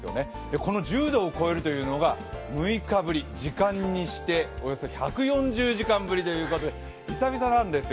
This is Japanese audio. この１０度を超えるというのが６日ぶり、時間にしておよそ１４０時間ぶりということで久々なんですよ。